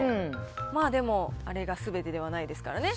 でも、あれがすべてではないですからね。